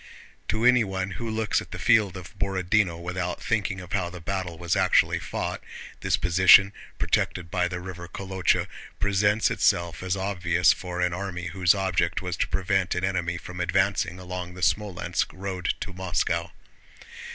To anyone who looks at the field of Borodinó without thinking of how the battle was actually fought, this position, protected by the river Kolochá, presents itself as obvious for an army whose object was to prevent an enemy from advancing along the Smolénsk road to Moscow.